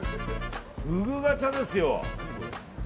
ふぐガチャですよ。